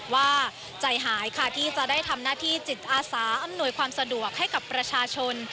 ว่าใจหายค่ะที่จะได้ทำหน้าที่จิตอาสาอำนวยความสะดวกให้กับประชาชน